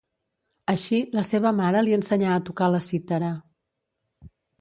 Així, la seva mare li ensenyà a tocar la cítara.